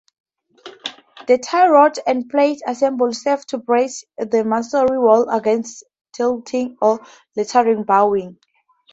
The tie-rod-and-plate assembly serves to brace the masonry wall against tilting or lateral bowing.